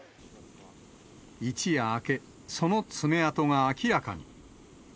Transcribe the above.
一夜明け、その爪痕が明らかに。